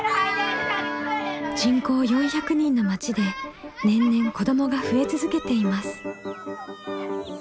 人口４００人の町で年々子どもが増え続けています。